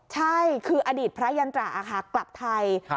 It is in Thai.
ใช่คืออดีตพระยันตราค่ะกลับไทย